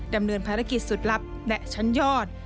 ดำเนินภารกิจสุดลับและชั้นยอด